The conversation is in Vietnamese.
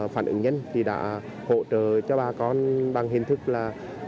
phản ứng nhanh thì đã hỗ trợ cho bà con bằng hình thức là